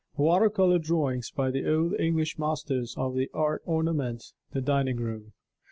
Water color drawings by the old English masters of the art ornament the dining room.